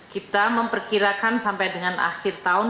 kita memperkirakan sampai dengan akhir tahun